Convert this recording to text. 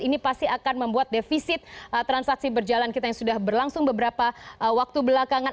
ini pasti akan membuat defisit transaksi berjalan kita yang sudah berlangsung beberapa waktu belakangan